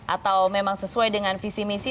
atau memang sesuai dengan visi misi